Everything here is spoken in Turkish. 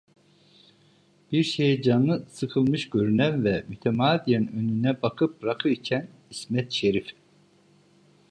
Bir şeye canı sıkılmış görünen ve mütemadiyen önüne bakıp rakı içen İsmet Şerif: